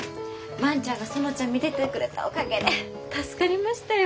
万ちゃんが園ちゃん見ててくれたおかげで助かりましたよ。